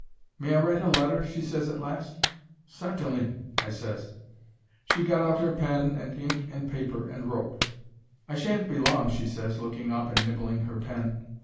"'May I write a letter?' she ses, at last. "'Sartainly,' I ses. "She got out her pen and ink and paper, and wrote. 'I sha'n't be long,' she ses, looking up and nibbling 'er pen.